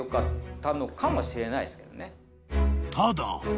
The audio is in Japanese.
［ただ］